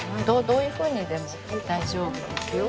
どういうふうにでも大丈夫ですよ。